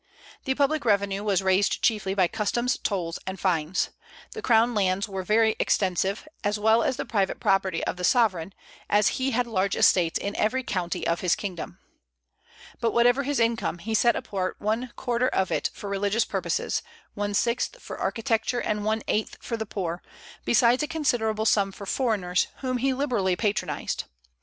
The public revenue was raised chiefly by customs, tolls, and fines. The crown lands were very extensive, as well as the private property of the sovereign, as he had large estates in every county of his kingdom. But whatever his income, he set apart one quarter of it for religious purposes, one sixth for architecture, and one eighth for the poor, besides a considerable sum for foreigners, whom he liberally patronized.